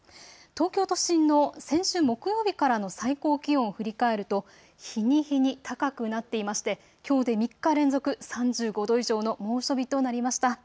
東京都心の先週木曜日からの最高気温、振り返ると日に日に高くなっていましてきょうで３日連続３５度以上の猛暑日となりました。